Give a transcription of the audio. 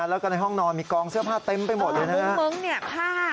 แล้วก็ในห้องนอนมีกองเสื้อผ้าเต็มไปหมดเลยนะมุ้งมิ้งเนี่ยผ้า